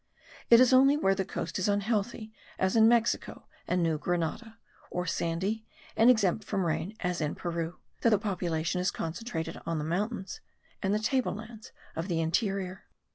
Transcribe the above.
It is only where the coast is unhealthy, as in Mexico and New Grenada, or sandy and exempt from rain as in Peru, that the population is concentrated on the mountains, and the table lands of the interior.